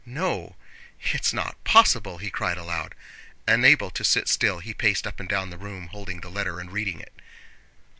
"No, it's not possible!" he cried aloud. Unable to sit still he paced up and down the room holding the letter and reading it.